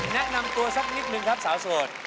แนะนำตัวสักนิดนึงครับสาวโสด